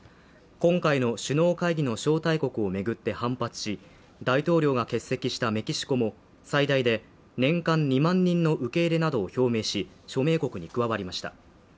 今回の首脳会議の招待国をめぐって反発し大統領が欠席したメキシコも最大で年間２万人の受け入れなどを表明し署名国に加わりました